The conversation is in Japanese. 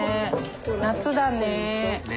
夏だね。ね。